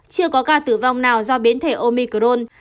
chưa có ca tử vong nào do biến thể omicron